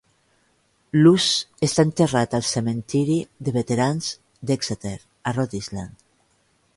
Luz està enterrat al cementiri de veterans d'Exeter, a Rhode Island.